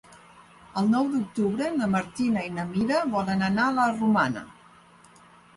El nou d'octubre na Martina i na Mira volen anar a la Romana.